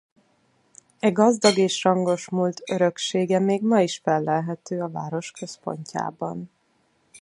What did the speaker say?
E gazdag és rangos múlt öröksége még ma is fellelhető a város központjában.